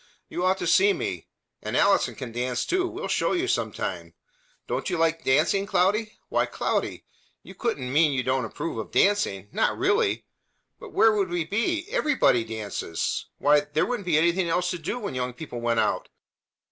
"You ought to see me. And Allison can dance, too. We'll show you sometime. Don't you like dancing, Cloudy? Why, Cloudy! You couldn't mean you don't approve of dancing? Not really! But where would we be? Everybody dances! Why, there wouldn't be anything else to do when young people went out.